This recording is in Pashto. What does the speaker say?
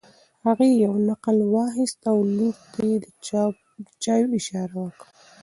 هغې یو نقل واخیست او لور ته یې د چایو اشاره وکړه.